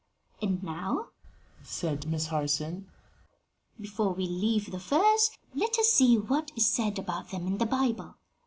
"And now," said Miss Harson, "before we leave the firs, let us see what is said about them in the Bible.